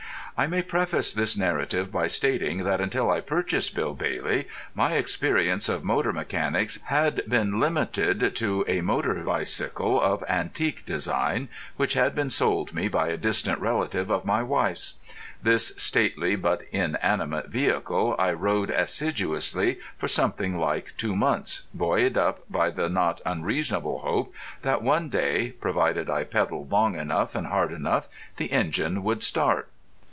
I may preface this narrative by stating that until I purchased Bill Bailey my experience of motor mechanics had been limited to a motor bicycle of antique design, which had been sold me by a distant relative of my wife's. This stately but inanimate vehicle I rode assiduously for something like two months, buoyed up by the not unreasonable hope that one day, provided I pedalled long enough and hard enough, the engine would start.